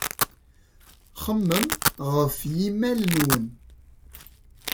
Xemmem ɣef yimal-nnem.